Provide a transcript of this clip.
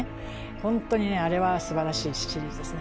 本当にあれはすばらしいシリーズですね。